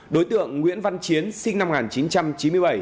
đối tượng nguyễn văn chiến sinh năm một nghìn chín trăm chín mươi bảy